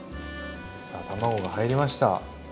さあ卵が入りました。